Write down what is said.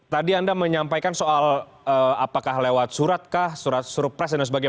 tadi anda menyampaikan soal apakah lewat surat kah surat suruh pres dan sebagainya